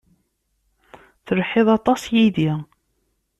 Telhiḍ aṭas yid-i.